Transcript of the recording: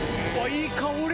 いい香り！